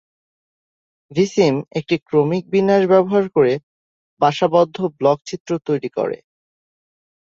ভিসিম একটি ক্রমিক বিন্যাস ব্যবহার করে বাসাবদ্ধ ব্লক চিত্র তৈরি করে।